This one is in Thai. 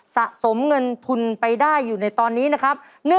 สะสมเงินทุนไปได้อยู่ในตอนนี้นะครับ